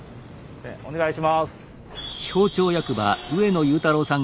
お願いします。